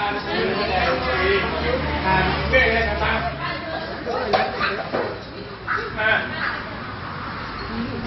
นี่เราเราเข้าไปสู่ที่จะทำบริษัท